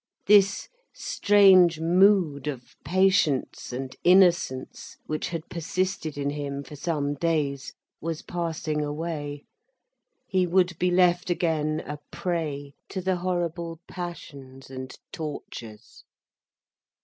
This strange mood of patience and innocence which had persisted in him for some days, was passing away, he would be left again a prey to the horrible passions and tortures.